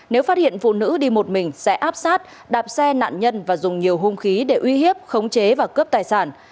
nếu phát hiện phụ nữ đi một mình sẽ áp sát đạp xe nạn nhân và dùng nhiều hung khí để uy hiếp khống chế và cướp tài sản